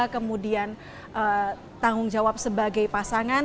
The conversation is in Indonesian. kemudian tanggung jawab sebagai pasangan